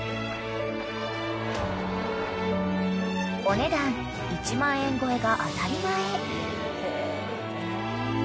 ［お値段１万円超えが当たり前］